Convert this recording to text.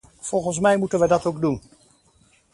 Volgens mij moeten wij dat ook doen.